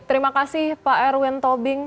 terima kasih pak erwin tobing